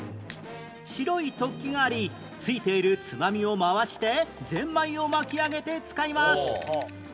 白い突起がありついているつまみを回してぜんまいを巻き上げて使います